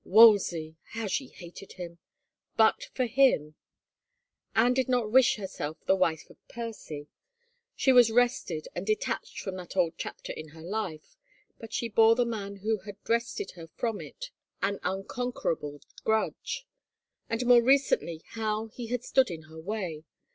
Wolsey! How she hated him 1 But for him — 1 Anne did not wish herself the wife of Percy ; she was wrested and detached from that old chapter in her life, but she bore the man who had wrested her from it an unconquerable grudge. And more recently how he had stood in her way